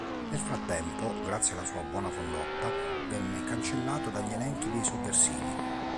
Nel frattempo, grazie alla sua buona condotta, venne cancellato dagli elenchi dei sovversivi.